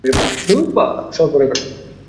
তার আগে আমাকে মেরে ফেলিস না।